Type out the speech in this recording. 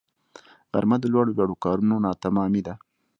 غرمه د لوړو لوړو کارونو ناتمامی ده